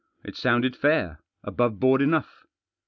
It sounded fair ; above board enough.